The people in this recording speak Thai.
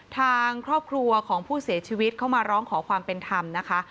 ทางครอบครัวของผู้เสียชีวิตเข้ามาร้องขอความเป็นธรรมนะคะ